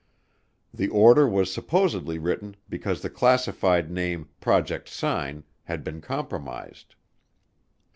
The order was supposedly written because the classified name, Project Sign, had been compromised.